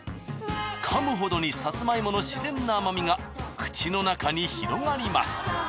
かむほどにさつまいものしぜんな甘みが口の中に広がります。